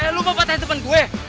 eh lu mau patahin temen gue